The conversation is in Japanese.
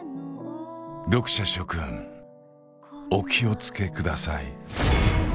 読者諸君お気を付けください